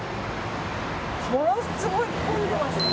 ものすごい混んでいますね。